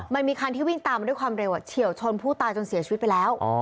มันมีคันที่วิ่งตามมาด้วยความเร็วเฉียวชนผู้ตายจนเสียชีวิตไปแล้ว